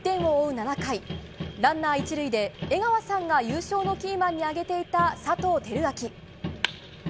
７回ランナー１塁で江川さんが優勝のキーマンに挙げた佐藤輝明。